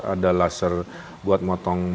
ada laser buat motong